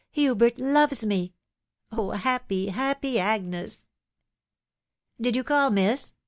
Hubert loves me !••.. Oh, happy, happy Agnes !"" Did you call, miss